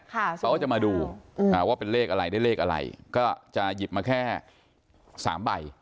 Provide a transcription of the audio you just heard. เขาก็จะมาดูว่าเป็นเลขอะไรได้เลขอะไรก็จะหยิบมาแค่สามใบ